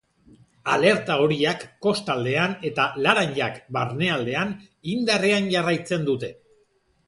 Alerta horiak, kostaldean, eta laranajak, barnealdean, indarrean jarraitzen dute.